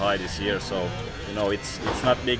jadi tidak ada perbedaan besar dari pertama ke ketiga